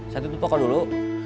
saya tutup toko dulu